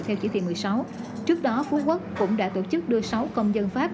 theo chỉ thị một mươi sáu trước đó phú quốc cũng đã tổ chức đưa sáu công dân pháp